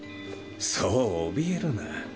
そうおびえるな。